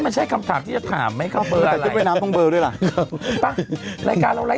ไม่ใช่คำถามที่จะถามไหมครับเบอร์อะไร